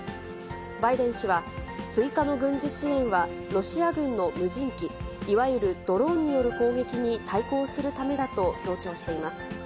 バイデン氏は、追加の軍事支援はロシア軍の無人機、いわゆるドローンによる攻撃に対抗するためだと強調しています。